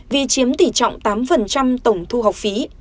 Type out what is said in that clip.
vì chiếm tỷ trọng tám tổng thu học phí